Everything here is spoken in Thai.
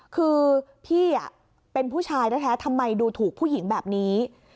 คือพี่เป็นผู้ชายแท้ทำไมดูถูกผู้หญิงแบบนี้